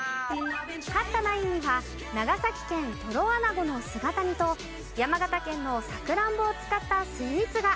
勝ったナインには長崎県とろあなごの姿煮と山形県のサクランボを使ったスイーツが。